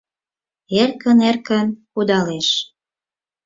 Эркын-эркын кудалеш.